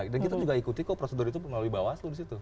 dan kita juga ikuti kok prosedur itu melalui bawaslu disitu